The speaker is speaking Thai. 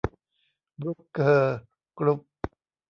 บรุ๊คเคอร์ กรุ๊ป